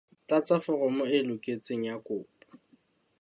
Tlatsa foromo e loketseng ya kopo.